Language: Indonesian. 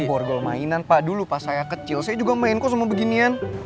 ini borgol mainan pak dulu pas saya kecil saya juga main kok semua beginian